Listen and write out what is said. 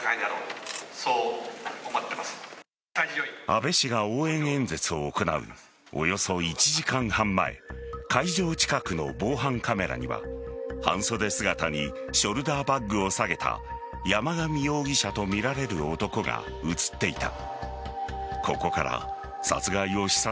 安倍氏が応援演説を行うおよそ１時間半前会場近くの防犯カメラには半袖姿にショルダーバッグを提げた山上容疑者とみられる男が映っていた。